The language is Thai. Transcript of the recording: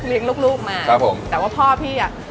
เลี้ยงลูกมาแต่ว่าพ่อพี่อ่ะ